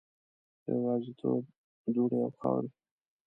د یوازیتوب دوړې او خاورې